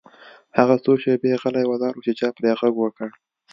هغه څو شیبې غلی ولاړ و چې چا پرې غږ وکړ